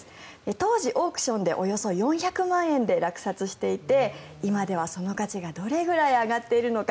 当時、オークションでおよそ４００万円で落札していて今ではその価値がどれくらい上がっているのか